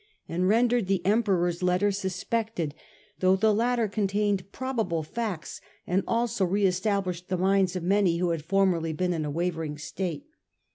i68 STUPOR MUNDI and rendered the Emperor's letter suspected, though the latter contained probable facts, and also re established the minds of many who had formerly been in a wavering state.